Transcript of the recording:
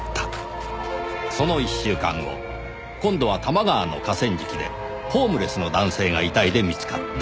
その１週間後今度は多摩川の河川敷でホームレスの男性が遺体で見つかった。